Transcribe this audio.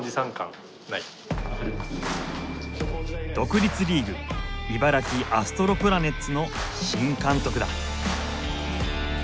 独立リーグ茨城アストロプラネッツの新監督だ。